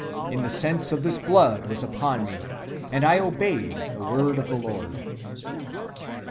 So the sense of this blood was upon me, and I obeyed the word of the Lord."